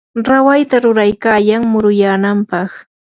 rawayta ruraykayan muruyanampaq.